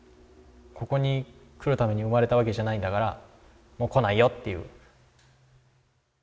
ここに来るために生まれたわけじゃないんだからもう来ないよっていう。